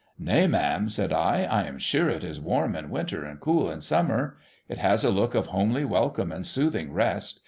' Nay, ma'am,' said I, ' I am sure it is warm in winter and cool in summer. It has a look of homely welcome and soothing rest.